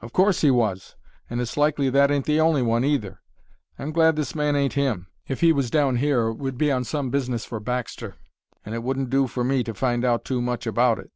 "Of course he was. And it's likely that ain't the only one either. I'm glad this man ain't him. If he was down here it would be on some business for Baxter, and it wouldn't do for me to find out too much about it."